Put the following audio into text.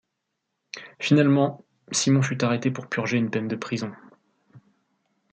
Finalement, Simon fut arrêté pour purger une peine de prison.